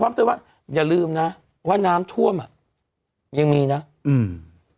พร้อมเต็มว่าอย่าลืมน่ะว่าน้ำท่วมอ่ะยังมีน่ะอืม